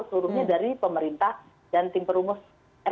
seluruhnya dari pemerintah dan tim perumus r